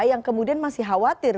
yang kemudian masih khawatir